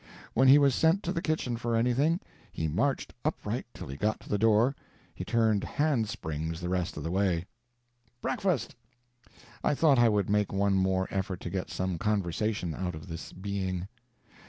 When he was sent to the kitchen for anything, he marched upright till he got to the door; he turned hand springs the rest of the way. "Breakfast!" I thought I would make one more effort to get some conversation out of this being.